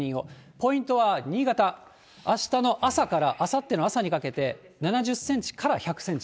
ポイントは新潟、あしたの朝からあさっての朝にかけて、７０センチから１００センチ。